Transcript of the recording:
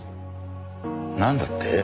なんだって？